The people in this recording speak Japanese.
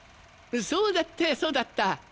そうだったそうだった。